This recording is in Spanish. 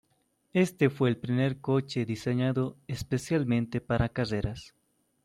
Este fue el primer coche diseñado especialmente para carreras.